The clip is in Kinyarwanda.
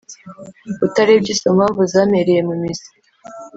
utarebye izo mpamvu zampereye mu mizi